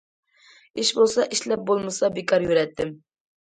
ئىش بولسا ئىشلەپ، بولمىسا بىكار يۈرەتتىم.